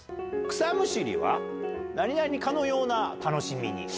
草むしりは何々かのような楽しみに。